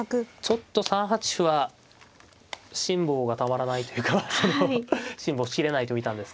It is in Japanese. ちょっと３八歩は辛抱がたまらないというかその辛抱しきれないと見たんですかね。